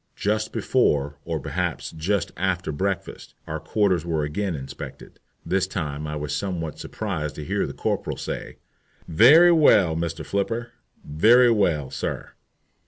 Just before, or perhaps just after breakfast, our quarters were again inspected. This time I was somewhat surprised to hear the corporal say, "Very well, Mr. Flipper, very well, sir."